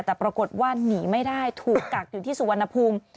แต่ปรากฏว่าหนีไม่ได้ถูกกักอยู่ที่สุวรรณภูมิ